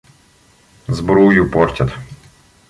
Сбрую портят.